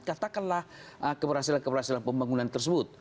katakanlah keberhasilan keberhasilan pembangunan tersebut